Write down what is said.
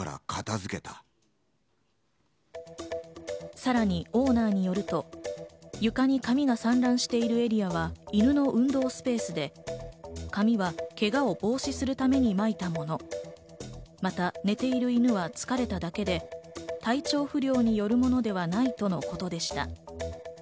さらにオーナーによると、床に紙が散乱しているエリアは犬の運動スペースで、紙はけがを防止するためにまいたもの。また寝ている犬は疲れただけで体調不良によるものではないとのことでした。